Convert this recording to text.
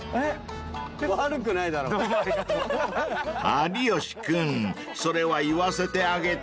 ［有吉君それは言わせてあげて］